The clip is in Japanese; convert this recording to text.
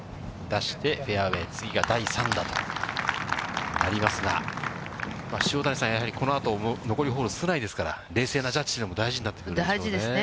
出して、フェアウエー、次が第３だとなりますが、塩谷さん、やはりこのあと残りホール少ないですから、冷静なジャッジも大事になってきますね。